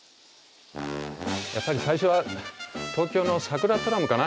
やっぱり最初は東京のさくらトラムかな。